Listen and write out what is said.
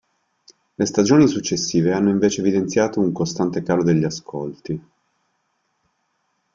Le stagioni successive hanno invece evidenziato un costante calo degli ascolti.